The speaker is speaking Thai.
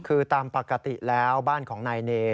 คือตามปกติแล้วบ้านของนายเน